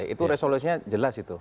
itu resolusinya jelas itu